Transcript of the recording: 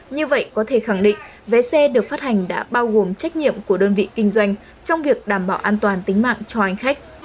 như vậy có thể khẳng định vé xe được phát hành đã bao gồm trách nhiệm của đơn vị kinh doanh trong việc đảm bảo an toàn tính mạng cho hành khách